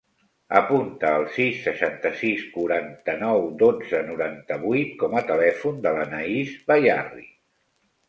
Apunta el sis, seixanta-sis, quaranta-nou, dotze, noranta-vuit com a telèfon de l'Anaís Bayarri.